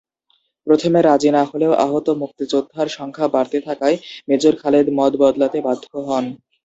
প্রথমে রাজি না হলেও আহত মুক্তিযোদ্ধার সংখ্যা বাড়তে থাকায় মেজর খালেদ মত বদলাতে বাধ্য হন।